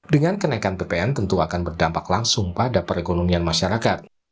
dengan kenaikan bpn tentu akan berdampak langsung pada perekonomian masyarakat